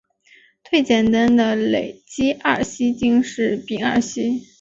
最简单的累积二烯烃是丙二烯。